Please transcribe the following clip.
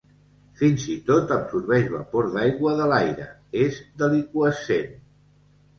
Fins i tot absorbeix vapor d'aigua de l'aire, és deliqüescent.